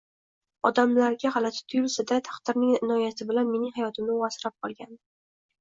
Odamlarga g`alati tuyilsa-da, taqdirning inoyati bilan mening hayotimni u asrab qolgandi